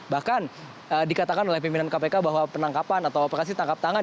bahkan dikatakan oleh pimpinan kpk bahwa penangkapan atau operasi tangkap tangan